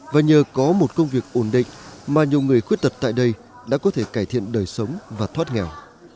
và nhờ có một công việc ổn định mà nhiều người khuyết tật tại đây đã có thể cải thiện đời sống và thoát nghèo